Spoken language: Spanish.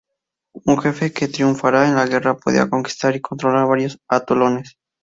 Un jefe que triunfara en la guerra podía conquistar y controlar varios atolones.